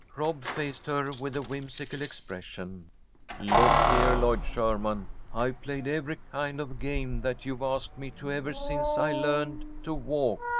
Rob faced her with a whimsical expression. "Look here, Lloyd Sherman, I've played every kind of a game that you've asked me to ever since I learned to walk.